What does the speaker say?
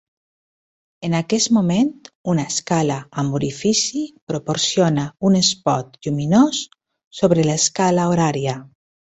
En aquest moment una escala amb orifici proporciona un espot lluminós sobre l'escala horària.